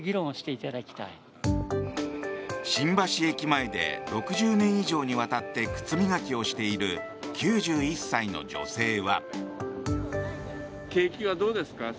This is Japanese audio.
新橋駅前で６０年以上にわたって靴磨きをしている９１歳の女性は。